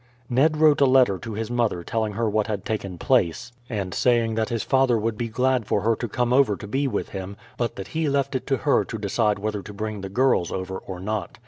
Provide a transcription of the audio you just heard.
Ned wrote a letter to his mother telling her what had taken place, and saying that his father would be glad for her to come over to be with him, but that he left it to her to decide whether to bring the girls over or not.